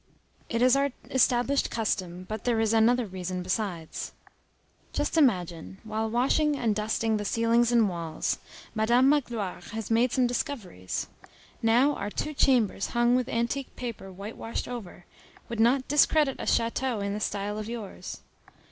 It is our established custom; but there is another reason besides. Just imagine, while washing and dusting the ceilings and walls, Madam Magloire has made some discoveries; now our two chambers hung with antique paper whitewashed over, would not discredit a château in the style of yours.